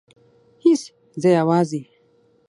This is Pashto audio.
هیڅ زه یوازې